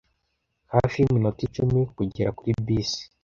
Hafi yiminota icumi kugera kuri bisi.